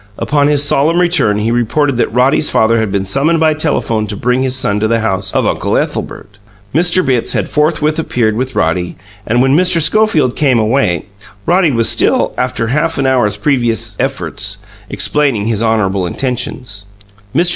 Upon his solemn return he reported that Roddy's father had been summoned by telephone to bring his son to the house of Uncle Ethelbert. Mr. Bitts had forthwith appeared with Roddy, and, when Mr. Schofield came away, Roddy was still (after half an hour's previous efforts) explaining his honourable intentions. Mr.